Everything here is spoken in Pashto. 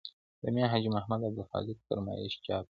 د میا حاجي محمد او عبدالخالق په فرمایش چاپ شو.